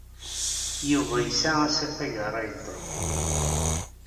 Yuba yesɛa asafag ara yeḍḍef.